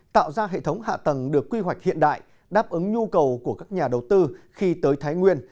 tạo ra hệ thống hạ tầng được quy hoạch hiện đại đáp ứng nhu cầu của các nhà đầu tư khi tới thái nguyên